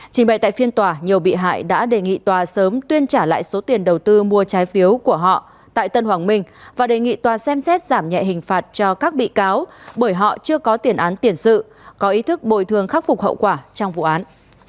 chính bày tại phiên tòa nhiều bị hại đã đề nghị tòa sớm tuyên trả lại số tiền đầu tư mua trái phiếu của họ tại tân hoàng minh và đề nghị tòa xem xét giảm nhẹ hình phạt cho các bị cáo bởi họ chưa có tiền án tiền sự có ý thức bồi thường khắc phục hậu quả trong vụ án